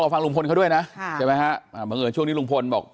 เออเห็นว่านี้รอยหนามวันนี้ครับคือตะเคียนจะไม่มีไม่มีเออ